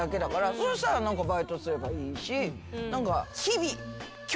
そうしたら何かバイトすればいいし。